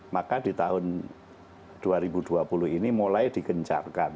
maka di tahun dua ribu dua puluh ini mulai digencarkan